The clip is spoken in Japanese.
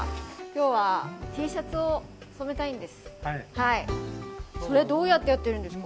今日はＴシャツを染めたいんです。